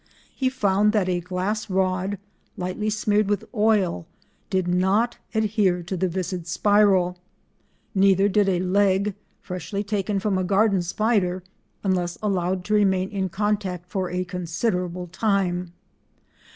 He found that a glass rod, lightly smeared with oil, did not adhere to the viscid spiral; neither did a leg freshly taken from a garden spider unless allowed to remain in contact for a considerable time.